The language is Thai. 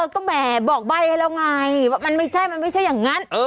ก็แบบบอกใบให้เราไงว่ามันไม่ใช่อย่างนั้น